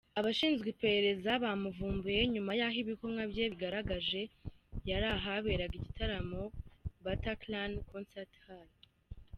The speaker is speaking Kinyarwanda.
Abashinzwe iperereza bamuvumbuye nyuma yaho ibikumwe bye bigaragaje yari ahaberaga igitaramo Bataclan concert hall.